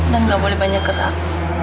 dan gak boleh banyak gerak